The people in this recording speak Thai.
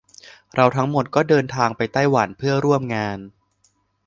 เราทั้งหมดก็เดินทางไปไต้หวันเพื่อร่วมงาน